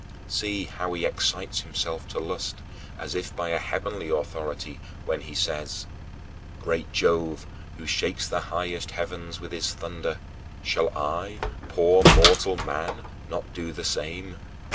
See how he excites himself to lust, as if by a heavenly authority, when he says: "Great Jove, Who shakes the highest heavens with his thunder; Shall I, poor mortal man, not do the same?